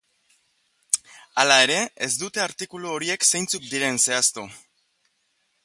Hala ere, ez dute artikulu horiek zeintzuk diren zehaztu.